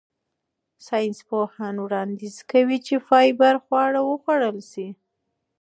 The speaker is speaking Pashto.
ساینسپوهان وړاندیز کوي چې فایبر خواړه وخوړل شي.